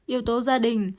yếu tố gia đình